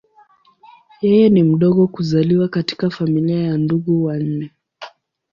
Yeye ni mdogo kuzaliwa katika familia ya ndugu wanne.